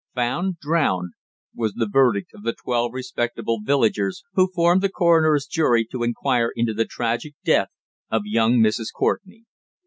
"Found Drowned" was the verdict of the twelve respectable villagers who formed the Coroner's jury to inquire into the tragic death of young Mrs. Courtenay.